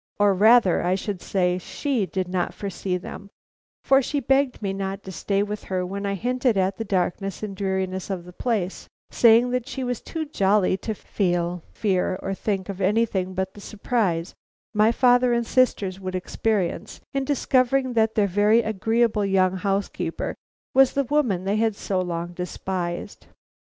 Or rather, I should say, she did not foresee them; for she begged me not to stay with her, when I hinted at the darkness and dreariness of the place, saying that she was too jolly to feel fear or think of anything but the surprise my father and sisters would experience in discovering that their very agreeable young housekeeper was the woman they had so long despised."